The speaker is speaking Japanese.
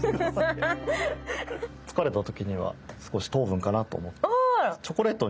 疲れた時には少し糖分かなと思って。